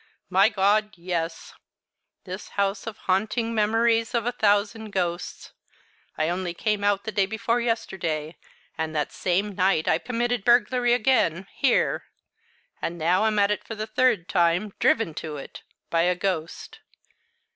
My God, yes! this house of haunting memories of a thousand ghosts! I only came out the day before yesterday, and that same night I committed burglary again here! And now I'm at it for the third time, driven to it by a ghost!